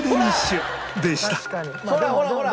ほらほらほら！